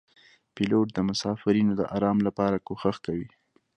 پیلوټ د مسافرینو د آرام لپاره کوښښ کوي.